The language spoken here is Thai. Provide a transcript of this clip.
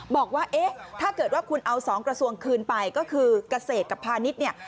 บอกว่าถ้าเกิดว่าคุณเอาสองกระทรวงคืนไปก็คือกระเศษกับพาณิชย์